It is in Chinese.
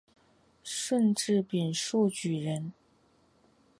顺治丙戌举人。